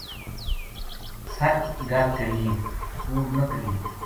سچ گل کرینے کوڑ نہ کرینے